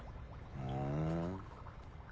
ふん。